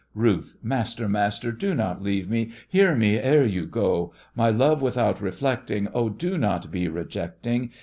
RUTH: Master, master, do not leave me! Hear me, ere you go! My love without reflecting, Oh, do not be rejecting!